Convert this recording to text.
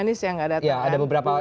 anies yang gak datang